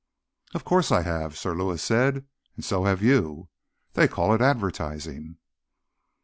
"Of course I have," Sir Lewis said. "And so have you. They call it advertising."